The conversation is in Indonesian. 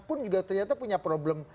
pun juga ternyata punya problem